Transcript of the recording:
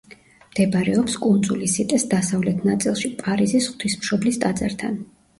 მდებარეობს კუნძული სიტეს დასავლეთ ნაწილში, პარიზის ღვთისმშობლის ტაძართან.